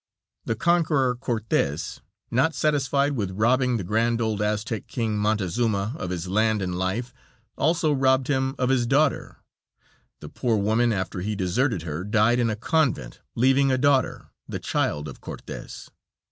The conqueror, Cortez, not satisfied with robbing the grand old Aztec king, Montezuma, of his land and life, also robbed him of his daughter. The poor woman, after he deserted her, died in a convent, leaving a daughter, the child of Cortez.